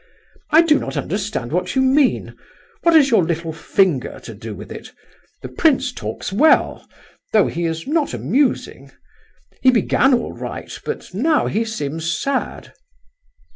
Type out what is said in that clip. "I do not understand what you mean. What has your little finger to do with it? The prince talks well, though he is not amusing. He began all right, but now he seems sad."